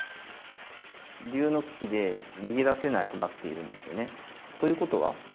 龍の利きで逃げ出せなくなっているんですよね。ということは？